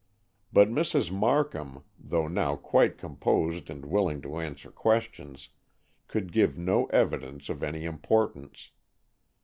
But Mrs. Markham, though now quite composed and willing to answer questions, could give no evidence of any importance.